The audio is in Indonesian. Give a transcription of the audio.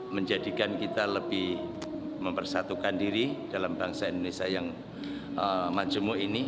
menjadikan kita lebih mempersatukan diri dalam bangsa indonesia yang majemuk ini